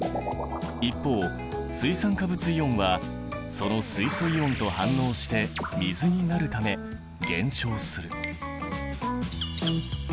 一方水酸化物イオンはその水素イオンと反応して水になるため減少する。